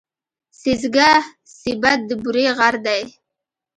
سېځگه سېبت د بوري غر دی.